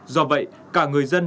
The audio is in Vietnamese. do vậy cả người dân